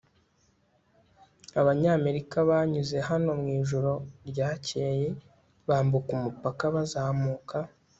abanyamerika banyuze hano mwijoro ryakeye bambuka umupaka bazamuka